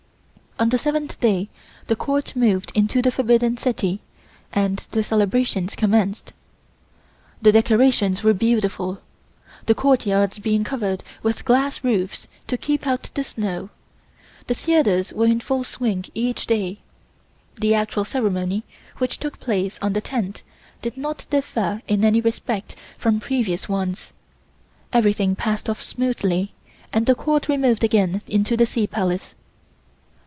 On the seventh day the Court moved into the Forbidden City and the celebrations commenced. The decorations were beautiful; the Courtyards being covered with glass roofs to keep out the snow. The theatres were in full swing each day. The actual ceremony, which took place on the tenth, did not differ in any respect from previous ones. Everything passed off smoothly, and the Court removed again into the Sea Palace.